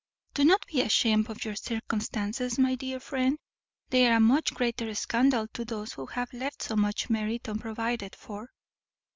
Do not be ashamed of your circumstances, my dear friend: they are a much greater scandal to those who have left so much merit unprovided for."